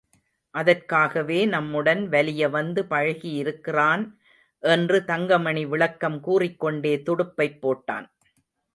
அதற்காகவே நம்முடன் வலிய வந்து பழகியிருக்கிறான் என்று தங்கமணி விளக்கம் கூறிக்கொண்டே துடுப்பைப் போட்டான்.